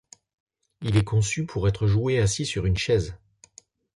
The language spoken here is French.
Il est conçu pour être joué assis sur une chaise.